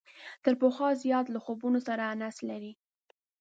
تر پخوا زیات له خوبونو سره انس لري.